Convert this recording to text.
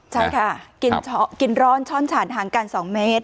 ใช่ค่ะกินร่อนช่อนฉานห่างกัน๒เมตร